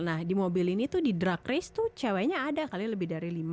nah di mobil ini tuh di drag race tuh ceweknya ada kali lebih dari lima